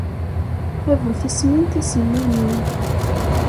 A bu tissmin tisemmamin!